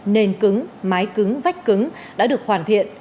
nền cứng mái cứng vách cứng đã được hoàn thiện